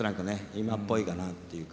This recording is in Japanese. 今っぽいかなっていうか。